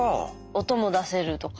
音も出せるとか。